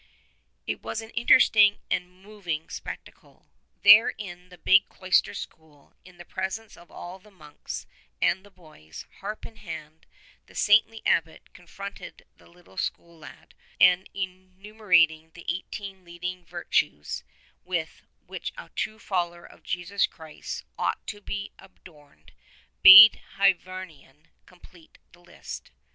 It was an interesting and a moving spectacle. There in the big cloister school, in the presence of all the monks and the boys, harp in hand, the vsaintly Abbot confronted the little school lad and enumerating the eighteen leading virtues with which a true follower of Jesus Christ ought to be adorned, bade Hyvarnion complete the list.